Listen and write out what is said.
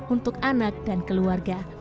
untuk anak dan keluarga